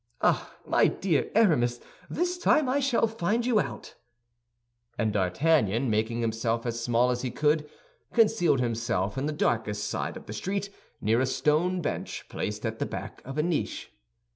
Ah, my dear Aramis, this time I shall find you out." And D'Artagnan, making himself as small as he could, concealed himself in the darkest side of the street near a stone bench placed at the back of a niche.